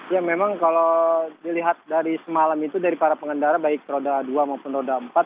ya memang kalau dilihat dari semalam itu dari para pengendara baik roda dua maupun roda empat